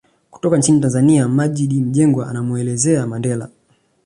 Kutoka nchini Tanzania Maggid Mjengwa anamuelezea Mandela